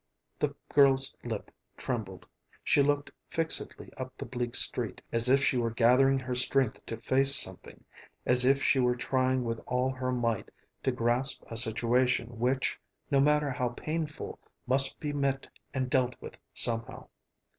The girl's lip trembled. She looked fixedly up the bleak street as if she were gathering her strength to face something, as if she were trying with all her might to grasp a situation which, no matter how painful, must be met and dealt with somehow.